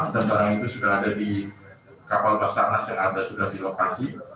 dan barang itu sudah ada di kapal basarnas yang ada sudah di lokasi